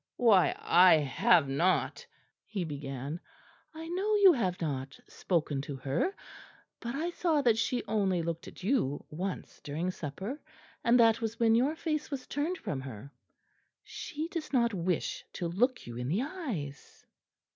"Why, I have not " he began. "I know you have not spoken to her; but I saw that she only looked at you once during supper, and that was when your face was turned from her; she does not wish to look you in the eyes."